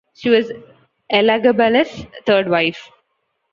She was Elagabalus' third wife.